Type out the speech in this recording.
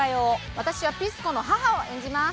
私はピス子の母を演じます！